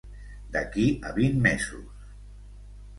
D'aquí a vint mesos.